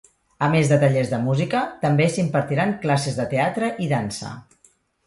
A més de tallers de música, també s'impartiran classes de teatre i dansa.